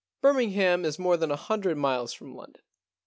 Birmingham is more than a hundred miles from London.